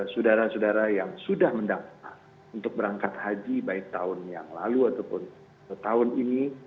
saudara saudara yang sudah mendaftar untuk berangkat haji baik tahun yang lalu ataupun tahun ini